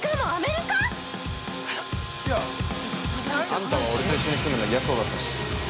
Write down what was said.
◆あんたは俺と一緒に住むの嫌そうだったし。